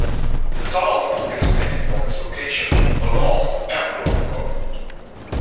The town took its name from its location along Pembroke Road.